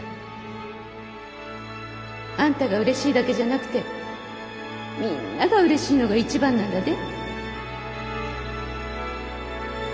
あんたがうれしいだけじゃなくてみぃんながうれしいのが一番なんだで。